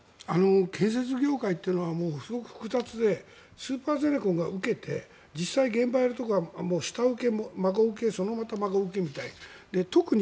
建設業界というのはすごく複雑でスーパーゼネコンが受けて実際、現場やるところが下請け、孫請けそのまた孫請けみたいな。